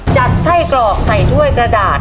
ไส้กรอกใส่ถ้วยกระดาษ